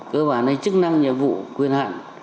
cơ bản là chức năng nhiệm vụ quyền hạn